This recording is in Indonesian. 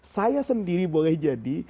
saya sendiri boleh jadi